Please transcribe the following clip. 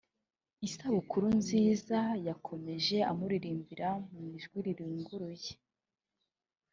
Isabukuru nziza” yakomeje amuririmbira mu ijwi riyunguruye